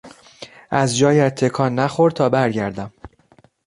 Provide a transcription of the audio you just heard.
از جایت تکان نخور تا برگردم.